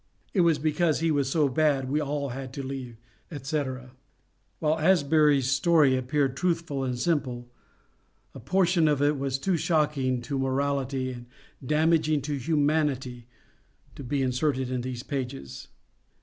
It was because he was so bad we all had to leave," &c. While Asbury's story appeared truthful and simple, a portion of it was too shocking to morality and damaging to humanity to be inserted in these pages.